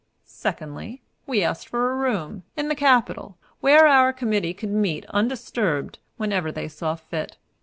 Secondly, we asked for a room, in the Capitol, where our committee could meet, undisturbed, whenever they saw fit.